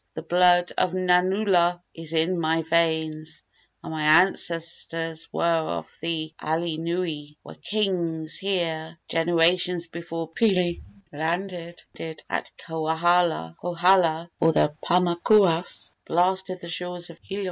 The blood of Nanaula is in my veins, and my ancestors were of the alii nui were kings here generations before Pili landed at Kohala or the Paumakuas blasted the shores of Hilo.